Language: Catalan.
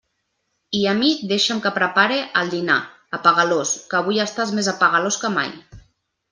I a mi deixa'm que prepare el dinar, apegalós, que avui estàs més apegalós que mai.